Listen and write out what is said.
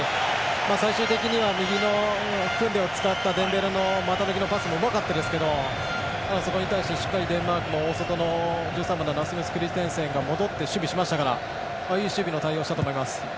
最終的には右のクンデを使ったデンベレの股抜きのパスもうまかったですけどそこに対してしっかりデンマークも１３番のラスムス・クリステンセンが戻って守備をしましたからいい守備の対応をしたと思います。